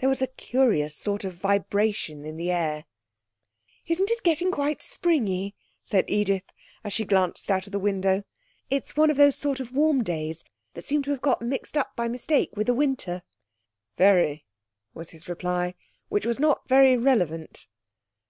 There was a curious sort of vibration in the air. 'Isn't it getting quite springy?' said Edith, as she glanced at the window. 'It's one of those sort of warm days that seem to have got mixed up by mistake with the winter.' 'Very,' was his reply, which was not very relevant.